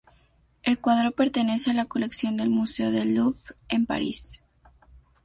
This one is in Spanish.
El cuadro pertenece a la colección del Museo del Louvre en París.